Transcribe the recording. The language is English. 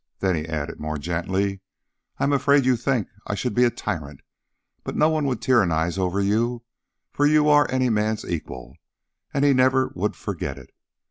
Then he added more gently: "I am afraid you think I should be a tyrant, but no one would tyrannize over you, for you are any man's equal, and he never would forget it.